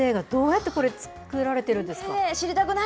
どうやってこれ、作られてるんですか？